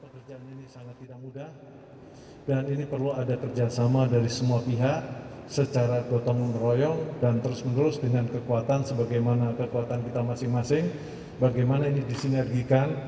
bin juga berkata bahwa bin perlu ada kerjasama dari semua pihak secara gotong meroyong dan terus menerus dengan kekuatan kita masing masing bagaimana ini disinergikan